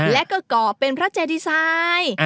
และก็ก่อเป็นพระเจดิสาย